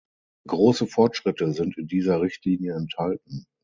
Große Fortschritte sind in dieser Richtlinie enthalten.